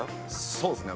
そうですね。